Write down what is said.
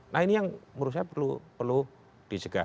nah ini yang menurut saya perlu dicegah